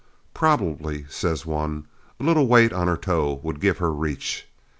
Probably, says one, a little weight on her toe would give her reach.